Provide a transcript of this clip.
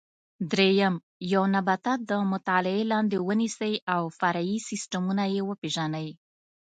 درېیم: یو نبات د مطالعې لاندې ونیسئ او فرعي سیسټمونه یې وپېژنئ.